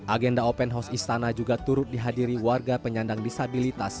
agenda open house istana juga turut dihadiri warga penyandang disabilitas